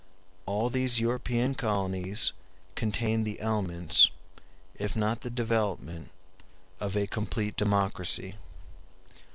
All these European colonies contained the elements, if not the development, of a complete democracy.